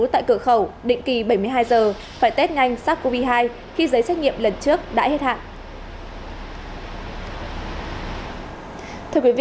tại cửa khẩu định kỳ bảy mươi hai giờ phải test nhanh sars cov hai khi giấy xét nghiệm lần trước đã hết hạn